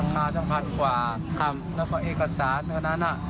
ค่าจะพันกว่าและเอกสารนั้นนั้น